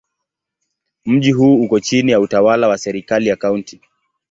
Mji huu uko chini ya utawala wa serikali ya Kaunti.